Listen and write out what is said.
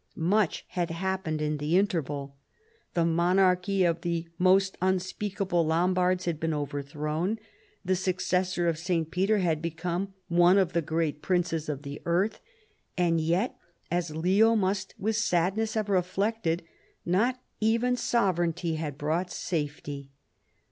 Much had happened in the interval. The monarchy of the " most unspeak able " Lombards had been overthrown ; the succes sor of St. Peter had become one of the great princes of the earth ; and yet, as Leo must with sadness have reflected, not even sovereignty had brought safety.